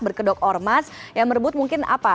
berkedok ormas yang merebut mungkin apa